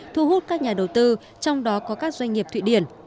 thu hút các nhà đầu tư trong đó có các doanh nghiệp thụy điển